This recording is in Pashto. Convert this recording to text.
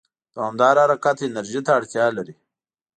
دوامداره حرکت انرژي ته اړتیا لري.